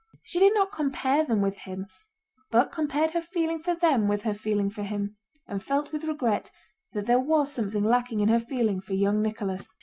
She did not compare them with him, but compared her feeling for them with her feeling for him, and felt with regret that there was something lacking in her feeling for young Nicholas.